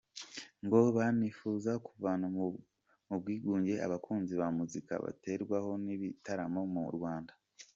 Ngo banifuza kuvana mu bwigunge abakunzi ba muzika batagerwaho n’ibitaramo mu Rwanda.